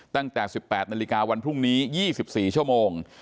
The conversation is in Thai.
ตั้งแต่๑๘นาฬิกาวันพรุ่งนี้๒๔ชั่วโมง